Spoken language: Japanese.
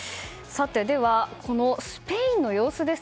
では、スペインの様子